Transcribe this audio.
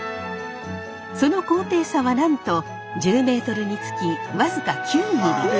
その高低差はなんと１０ｍにつきわずか９ｍｍ。